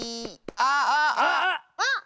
あっ！